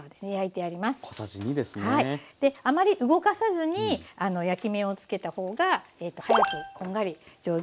あまり動かさずに焼き目をつけた方が早くこんがり上手に焼けます。